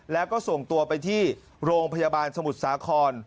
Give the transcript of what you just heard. แล้วก็ส่งตัวไปที่โรงพยาบาลสมุทรสาคร